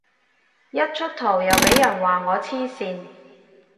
一出圖又俾人話我黐線